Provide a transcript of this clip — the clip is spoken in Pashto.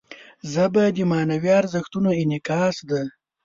ژبه د معنوي ارزښتونو انعکاس دی